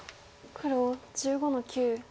黒１５の九。